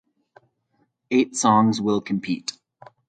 Eight songs will compete.